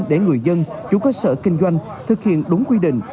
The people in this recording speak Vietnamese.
để người dân chủ cơ sở kinh doanh thực hiện đúng quy định